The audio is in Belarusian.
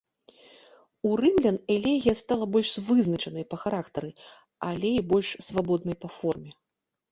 У рымлян элегія стала больш вызначанай па характары, але і больш свабоднай па форме.